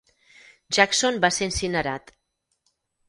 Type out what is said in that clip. Jackson va ser incinerat.